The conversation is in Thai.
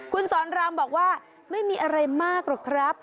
คุณสอนรามบอกว่าไม่มีอะไรมากหรอกครับ